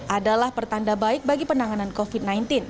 adalah pertanda baik bagi penanganan covid sembilan belas